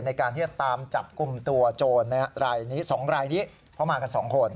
ในการที่จะตามจับกลุ่มตัวโจรรายนี้๒รายนี้เพราะมากัน๒คน